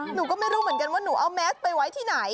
หนูก็ไม่รู้เหมือนกันว่าหนูเอาแมสไปไว้ที่ไหน